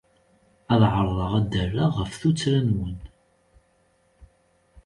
Ad ɛerḍeɣ ad d-rreɣ ɣef tuttra-nwen.